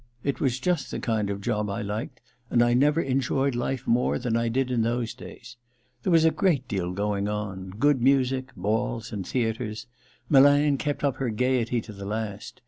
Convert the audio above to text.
It was just the kind of job I liked, and I never enjoyed life more than I did in those days. There was a great deal going on — good music, balls and theatres. Milan kept up her gaiety to the last.